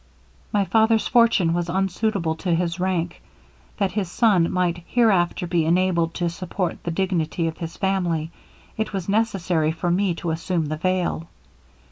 'My father's fortune was unsuitable to his rank. That his son might hereafter be enabled to support the dignity of his family, it was necessary for me to assume the veil.